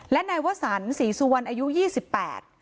และนายวสันศรีสุวรรณอายุยี่สิบแปด